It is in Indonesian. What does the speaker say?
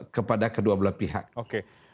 kepada kedua belah pihak